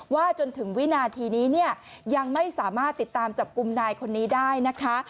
จนถึงวินาทีนี้เนี่ยยังไม่สามารถติดตามจับกลุ่มนายคนนี้ได้นะคะ